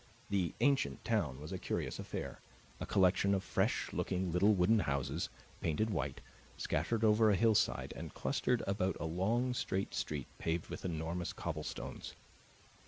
The ancient town was a curious affair a collection of fresh looking little wooden houses, painted white, scattered over a hillside and clustered about a long straight street paved with enormous cobblestones.